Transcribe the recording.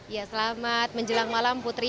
ya selamat menjelang malam putri